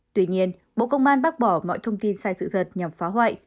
tuy nhiên bộ công an bác bỏ mọi thông tin sai sự thật nhằm phá hoại